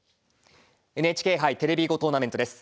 「ＮＨＫ杯テレビ囲碁トーナメント」です。